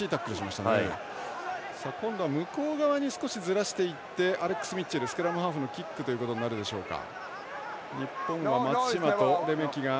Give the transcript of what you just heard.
向こう側にずらしていってアレックス・ミッチェルスクラムハーフのキックということになるでしょうか。